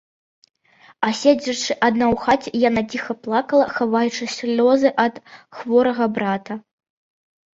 А седзячы адна ў хаце, яна ціха плакала, хаваючы слёзы ад хворага брата.